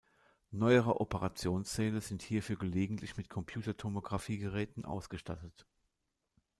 Neuere Operationssäle sind hierfür gelegentlich mit Computertomographie-Geräten ausgestattet.